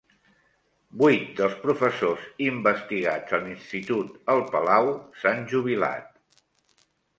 Vuit dels professors investigats a l'institut el Palau s'han jubilat